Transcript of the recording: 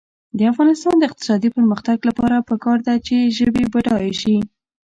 د افغانستان د اقتصادي پرمختګ لپاره پکار ده چې ژبې بډایه شي.